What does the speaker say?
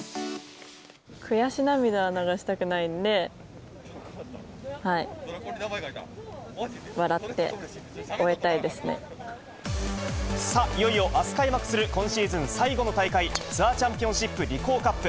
悔し涙は流したくないので、さあ、いよいよあす開幕する今シーズン最後の大会、ツアーチャンピオンシップリコーカップ。